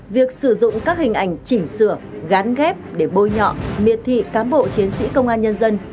việc sử dụng các hình ảnh chỉnh sửa gắn ghép để bôi nhọ miệt thị cán bộ chiến sĩ công an nhân dân